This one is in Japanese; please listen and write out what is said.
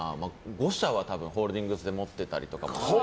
５社はホールディングスで持ってたりとか。